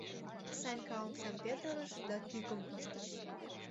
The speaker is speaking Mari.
— Санька омсам петырыш да тӱкым пыштыш.